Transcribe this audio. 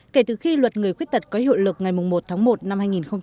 kể từ khi luật người khuyết tật có hiệu lực ngày một tháng một năm hai nghìn một mươi chín